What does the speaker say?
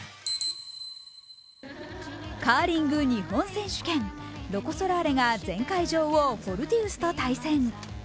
カーリング日本選手権、ロコ・ソラーレが前回女王フォルティウスと対戦。